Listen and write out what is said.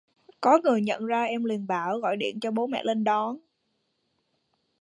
có người nhận ra em liền bảo gọi điện cho bố mẹ lên đón